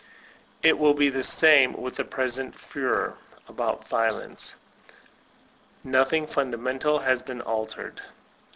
It will be the same with the present furore about vio lence. Nothing fundamental has been altered.